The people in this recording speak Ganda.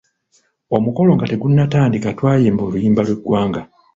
Omukolo nga tegunatandika twayimba oluyimba lw'eggwanga.